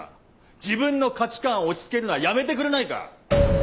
自分の価値観を押しつけるのはやめてくれないか。